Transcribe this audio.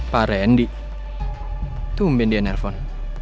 pak randy tumben dia nelfon